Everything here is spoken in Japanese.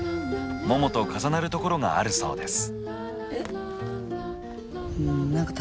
ももと重なるところがあるそうです。